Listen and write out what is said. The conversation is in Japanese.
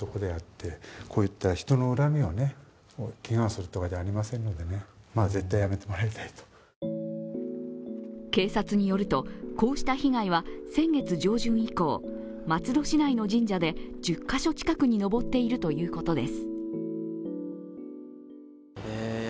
しかも、この木は警察によると、こうした被害は先月上旬以降、松戸市内の神社で１０カ所近くに上っているということ手。